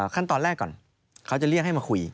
ขั้นตอนแรกก่อนเขาจะเรียกให้มาคุย